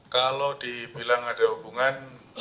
kalau dibilang ada hubungan